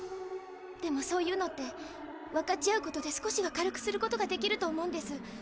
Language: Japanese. でもそういうのって分かち合うことで少しは軽くすることができると思うんです。